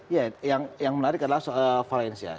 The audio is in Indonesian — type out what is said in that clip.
ya yang menarik adalah soal valencia